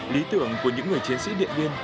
lý tưởng của những người chiến sĩ điện viên